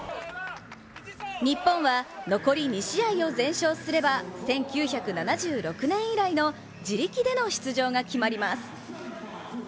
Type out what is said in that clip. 日本は残り２試合を全勝すれば１９７６年以来の自力での出場が決まります。